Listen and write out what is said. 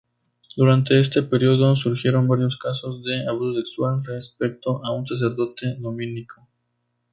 Durante este período, surgieron varios casos de abuso sexual respecto a un sacerdote dominico.